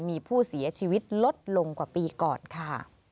มีผู้เสียชีวิตลดลงกว่าปีก่อนค่ะ